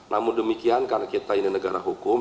namun demikian karena kita ini negara hukum